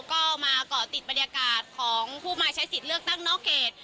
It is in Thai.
ก็มาเกาะติดบรรยากาศของผู้มาใช้สิทธิ์เลือกตั้งนอกเขต